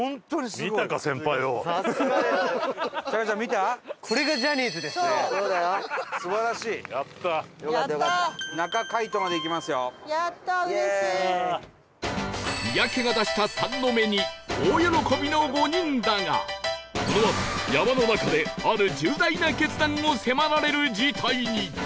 三宅が出した「３」の目に大喜びの５人だがこのあと山の中である重大な決断を迫られる事態に